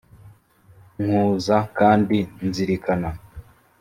nkuza kandi nzirikana